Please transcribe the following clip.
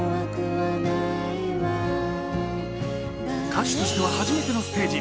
歌手としては初めてのステージ。